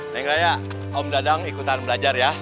neng raya om dadang ikutan belajar ya